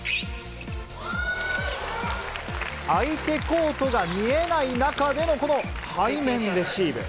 相手コートが見えない中でのこの背面レシーブ。